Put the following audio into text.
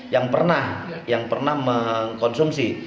yang pernah yang pernah mengkonsumsi